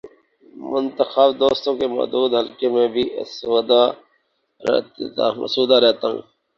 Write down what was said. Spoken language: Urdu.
منتخب دوستوں کے محدود حلقے ہی میں آسودہ رہتا ہوں۔